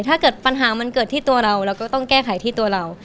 ถ้าเกิดปัญหามันเกิดที่ตัวเราเราก็ต้องแก้ไขที่ตัวเรา